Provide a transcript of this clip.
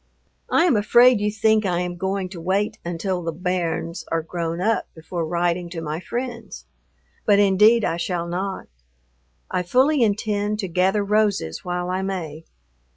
I am afraid you think I am going to wait until the "bairns" are grown up before writing to my friends, but indeed I shall not. I fully intend to "gather roses while I may."